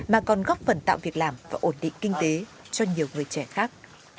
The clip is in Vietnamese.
mà còn góp phần tạo việc làm và ổn định kinh tế cho nhiều người trẻ khác